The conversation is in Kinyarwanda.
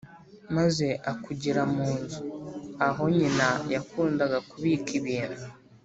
maze akugira mu nzu, aho nyina yakundaga kubika ibintu,